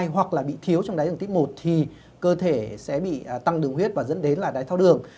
hoặc là bị thiếu trong đài tháo đường tiếp một thì cơ thể sẽ bị tăng đường huyết và dẫn đến đài tháo đường